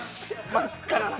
真っ赤な中。